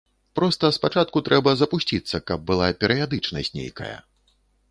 Проста спачатку трэба запусціцца, каб была перыядычнасць нейкая.